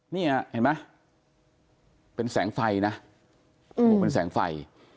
เนี่ยเห็นไหมเป็นแสงไฟนะโอ้โหเป็นแสงไฟ